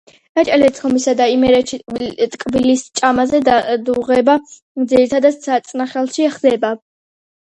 რაჭა-ლეჩხუმსა და იმერეთში ტკბილის ჭაჭაზე დადუღება ძირითადად საწნახელში ხდება.